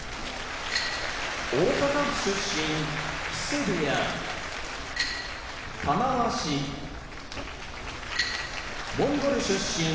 大阪府出身木瀬部屋玉鷲モンゴル出身